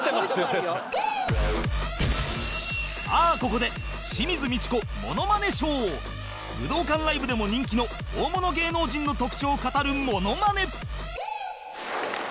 さあここで清水ミチコモノマネショー武道館ライブでも人気の大物芸能人の特徴を語るモノマネ